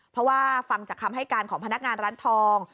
เพราะว่าฟังจากคำให้การของพนักงานร้านทอง